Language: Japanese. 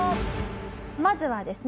まずはですね